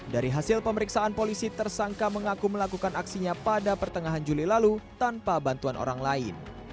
dari hasil pemeriksaan polisi tersangka mengaku melakukan aksinya pada pertengahan juli lalu tanpa bantuan orang lain